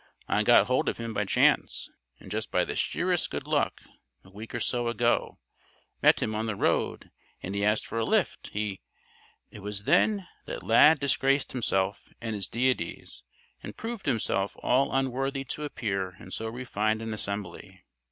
I got hold of him by chance, and just by the sheerest good luck, a week or so ago. Met him on the road and he asked for a lift. He " It was then that Lad disgraced himself and his deities, and proved himself all unworthy to appear in so refined an assembly.